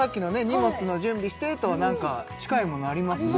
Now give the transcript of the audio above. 「荷物の準備して」とはなんか近いものありますね